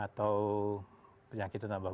atau penyakit itu tambah